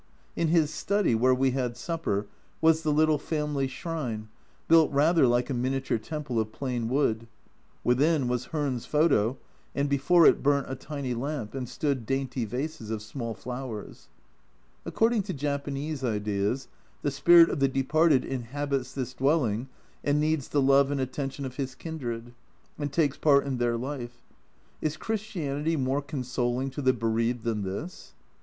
In his study, where we had supper, was the little family shrine, built rather like a miniature temple of plain wood ; within was Hearn's photo, and before it burnt a tiny lamp and stood dainty vases of small flowers. According to Japanese ideas, the spirit of the departed inhabits this dwelling and needs the love and attention of his kindred, and takes part in their life. Is Christianity more consoling to the bereaved than this